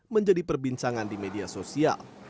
menjadi perbincangan di media sosial